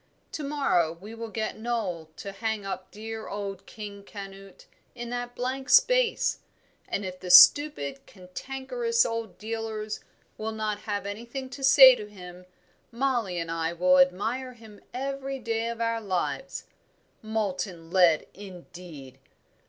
To morrow we will get Noel to hang up dear old King Canute in that blank space, and if the stupid, cantankerous old dealers will not have anything to say to him, Mollie and I will admire him every day of our lives. Molten lead, indeed!"